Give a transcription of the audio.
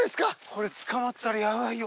これ捕まったらやばいよ。